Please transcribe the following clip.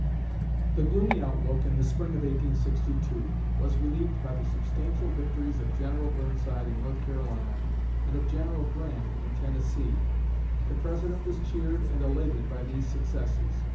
The gloomy outlook in the Spring of 1862 was relieved by the substantial victories of General Burnside in North Carolina and of General Grant in Tennessee. The President was cheered and elated by these successes.